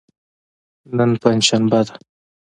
نن پنج شنبه ده.